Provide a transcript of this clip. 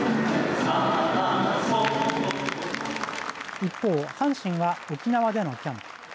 一方、阪神は沖縄でのキャンプ。